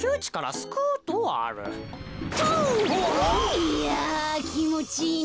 いやきもちいいな。